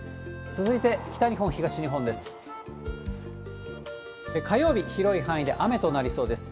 続いて、北日本、東日本です。